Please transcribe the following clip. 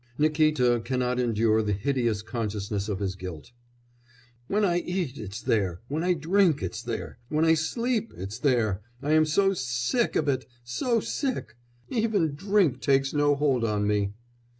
Nikíta cannot endure the hideous consciousness of his guilt. "When I eat, it's there! When I drink, it's there! When I sleep, it's there! I am so sick of it, so sick! ... Even drink takes no hold on me."